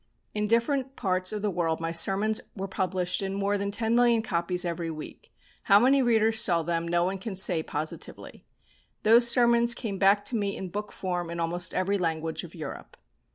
In different parts of the world my sermons were published in more than ten million copies every week. How many readers saw them no one can say positively. Those sermons came back to me in book form in almost every language of Europe.